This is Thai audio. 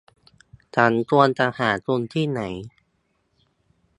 ฉันควรจะหาคุณที่ไหน